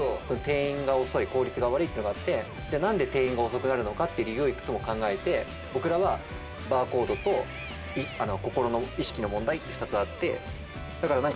店員が遅い効率が悪いってのがあってじゃあ何で店員が遅くなるのかって理由をいくつも考えて僕らはバーコードと心の意識の問題って２つあって。